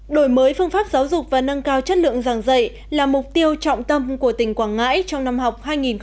đổi mới phương pháp giáo dục và nâng cao chất lượng giảng dạy là mục tiêu trọng tâm của tỉnh quảng ngãi trong năm học hai nghìn hai mươi hai nghìn hai mươi